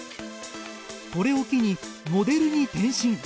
これを機に、モデルに転身。